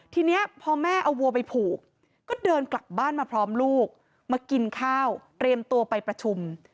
ทีนี้พอแม่เอาวัวไปผูกก็เดินกลับบ้านมาพร้อมลูกมากินข้าวเตรียมตัวไปประชุม